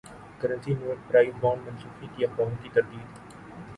currency note prize bonds منسوخی کی افواہوں کی تردید